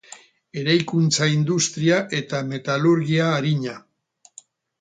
Eraikuntza industria eta metalurgia arina.